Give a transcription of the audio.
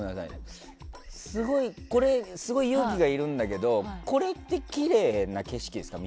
これ、すごい勇気がいるんだけどこれってきれいな景色ですか？